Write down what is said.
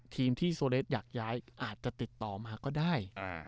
ทีมที่โซเลสอยากย้ายอาจจะติดต่อมาก็ได้